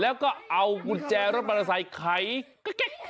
แล้วก็เอากุญแจรถมอเตอร์ไซค์ไขเก๊ก